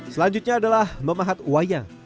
selanjutnya adalah memahat wayang